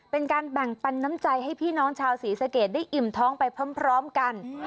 เป็นการแบ่งปันน้ำใจให้พี่น้องชาวศรีสะเกดได้อิ่มท้องไปพร้อมกัน